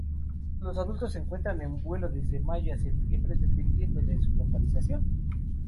Los adultos se encuentran en vuelo desde Mayo a Septiembre dependiendo de su localización.